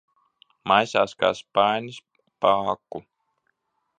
Maisās kā spainis pa aku.